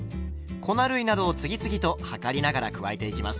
粉類などを次々と量りながら加えていきます。